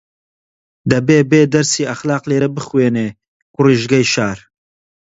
دەبێ بێ دەرسی ئەخلاق لێرە بخوێنێ کوڕیژگەی شار